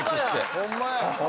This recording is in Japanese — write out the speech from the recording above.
ホンマに。